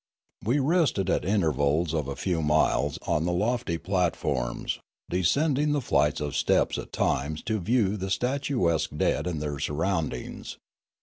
We rested at intervals of a few miles on the lofty platforms, descend ing the flights of steps at times to view the statuesque dead and their surroundings.